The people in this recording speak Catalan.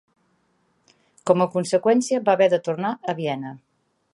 Com a conseqüència, va haver de tornar a Viena.